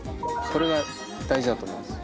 それが大事だと思います。